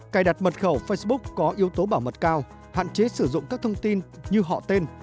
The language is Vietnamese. cài đặt mật khẩu facebook có yếu tố bảo mật cao hạn chế sử dụng các thông tin như họ tên